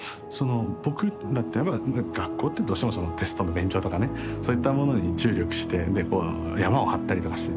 僕らって学校ってどうしてもテストの勉強とかねそういったものに注力してでこうヤマを張ったりとかして。